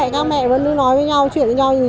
các mẹ vẫn nói với nhau chuyển với nhau